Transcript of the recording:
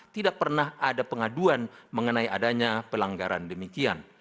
tidak pernah ada pengaduan mengenai adanya pelanggaran demikian